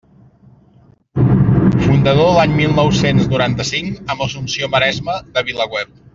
Fundador l'any mil nou-cents noranta-cinc, amb Assumpció Maresma, de VilaWeb.